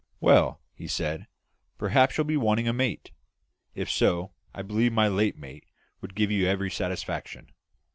"Well," he said, "perhaps you'll be wanting a mate. If so, I believe my late mate would give you every satisfaction.